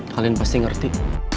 kalian pasti ngerti